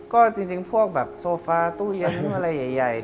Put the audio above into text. ก็จริงพวกแบบโซฟาตู้เย็นตู้อะไรใหญ่